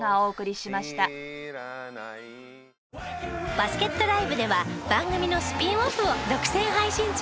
バスケットＬＩＶＥでは番組のスピンオフを独占配信中。